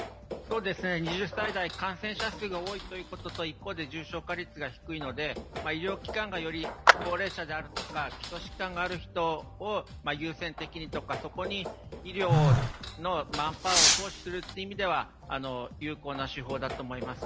２０歳代、感染者数が多い一方で、重症化率が低いので、医療機関が高齢者や基礎疾患がある人を優先的にとか、そこに医療のマンパワーを投資するという意味では有効な主砲だと思います。